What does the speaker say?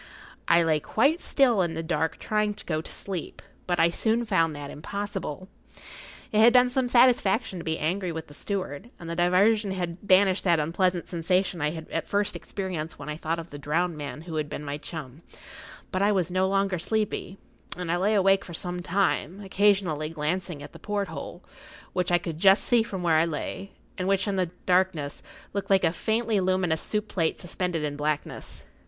I lay quite still in the dark trying to go to sleep, but I soon found that impossible. It had been some satisfaction to be angry with the steward, and the diversion had banished that unpleasant sensation I had at first experienced when I thought of the drowned man who had been my chum; but I was no longer sleepy, and I lay awake for some time, occasionally glancing at the porthole, which I could just see from where I lay, and which, in the darkness, looked like a faintly luminous soup plate suspended in blackness.